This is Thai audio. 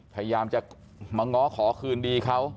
พยายามจะมาง้อขอคืนดีเขา